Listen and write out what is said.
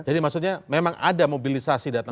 jadi maksudnya memang ada mobilisasi datang ke sini